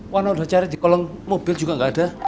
warna udah cari di kolong mobil juga nggak ada